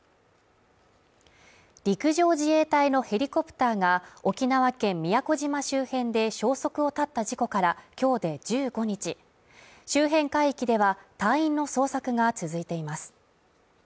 陸上自衛隊のヘリコプターが沖縄県宮古島周辺で消息を絶った事故から今日で１５日周辺海域では、隊員の捜索が続いています。